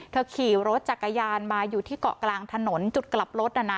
ขี่รถจักรยานมาอยู่ที่เกาะกลางถนนจุดกลับรถน่ะนะ